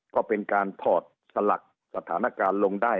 ก็เป็นการถอดสลักสถานการณ์ลงได้